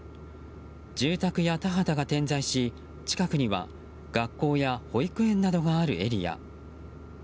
住宅や田畑が点在し、近くには学校や保育園などがあるエリア。